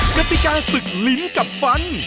กติกาศึกลิ้นกับฟัน